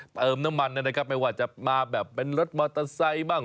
เติมน้ำมันนะครับไม่ว่าจะมาแบบเป็นรถมอเตอร์ไซค์บ้าง